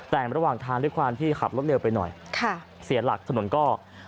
แต่ระหว่างทางด้วยความที่ขับรถเร็วไปหน่อยค่ะเสียหลักถนนก็